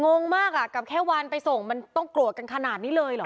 งงมากอ่ะกับแค่วันไปส่งมันต้องโกรธกันขนาดนี้เลยเหรอ